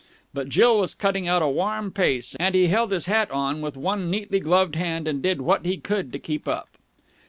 But Jill was cutting out a warm pace, and he held his hat on with one neatly gloved hand and did what he could to keep up.